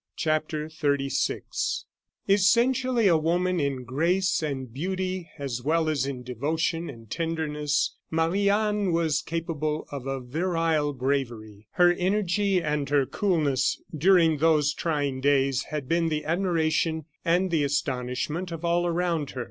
CHAPTER XXXVI Essentially a woman in grace and beauty, as well as in devotion and tenderness, Marie Anne was capable of a virile bravery. Her energy and her coolness during those trying days had been the admiration and the astonishment of all around her.